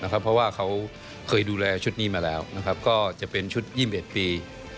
เพราะว่าเขาเคยดูแลชุดนี้มาแล้วก็จะเป็นชุด๒๑ปี